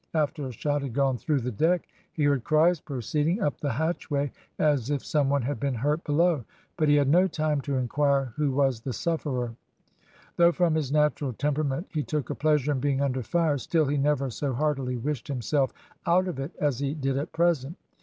After a shot had gone through the deck, he heard cries proceeding up the hatchway as if some one had been hurt below, but he had no time to inquire who was the sufferer. Though from his natural temperament he took a pleasure in being under fire, still he never so heartily wished himself out of it as he did at present.